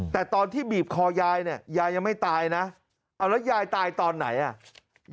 แต่ตอนที่บีบคอยายเนี่ยยายยังไม่ตายนะเอาแล้วยายตายตอนไหนอ่ะ